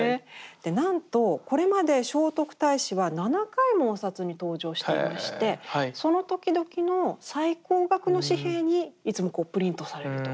でなんとこれまで聖徳太子は７回もお札に登場していましてそのときどきの最高額の紙幣にいつもプリントされると。